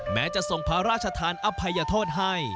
แม้จะส่งพระราชทานอภัยโทษให้